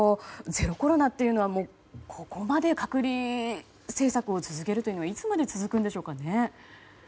ゼロコロナというのはここまで隔離政策を続けるというのはいつまで続くのでしょうか。